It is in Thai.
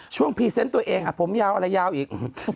พรีเซนต์ตัวเองผมยาวอะไรยาวอีก